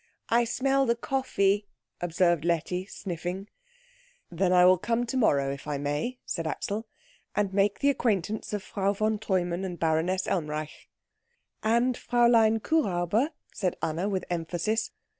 "I smell the coffee," observed Letty, sniffing. "Then I will come to morrow if I may," said Axel, "and make the acquaintance of Frau von Treumann and Baroness Elmreich." "And Fräulein Kuhräuber," said Anna, with emphasis.